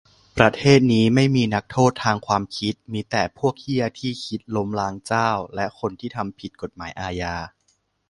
ประเทศนี้ไม่มีนักโทษทางความคิด มีแต่ พวกเหี้ยที่คิดล้มล้างเจ้า และ คนที่ทำผิดกฏหมายอาญา